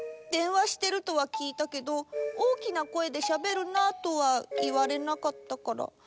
でんわしてるとはきいたけど「大きな声でしゃべるな」とはいわれなかったから。